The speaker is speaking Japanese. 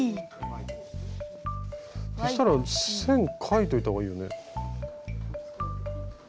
そしたら線描いておいた方がいいよね。